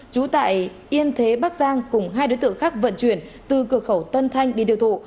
trú tại yên thế bắc giang cùng hai đối tượng khác vận chuyển từ cửa khẩu tân thanh đi tiêu thụ